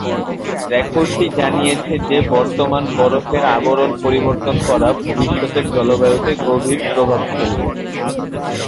রেকর্ডটি জানিয়েছে যে বর্তমান বরফের আবরণ পরিবর্তন করা ভবিষ্যতের জলবায়ুতে গভীর প্রভাব ফেলবে।